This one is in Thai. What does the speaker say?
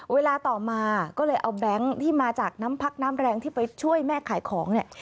เวลาต่อมาก็เลยเอาแบงค์ที่มาจากน้ำพักน้ำแรงที่ไปช่วยแม่ขายของเนี่ย